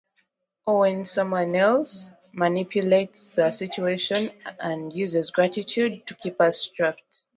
Or when someone else manipulates the situation and uses gratitude to keep us trapped.